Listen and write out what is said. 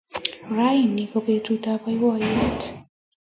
raini ko petutap poipoiyet